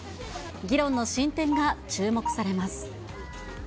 議論の進展が注目されます。